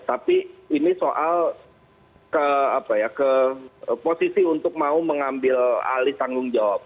tapi ini soal ke posisi untuk mau mengambil alih tanggung jawab